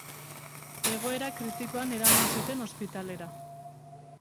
Egoera kritikoan eraman zuten ospitalera.